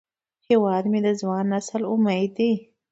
هیواد مې د ځوان نسل امید دی